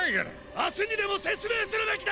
明日にでも説明するべきだ！